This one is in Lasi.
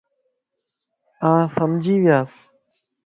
آن سمجھي وياس